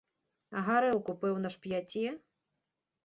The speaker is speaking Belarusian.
А гарэлку пэўна ж п'яце?